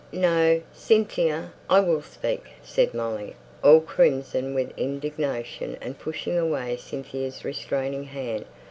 "No! Cynthia, I will speak," said Molly, all crimson with indignation, and pushing away Cynthia's restraining hand.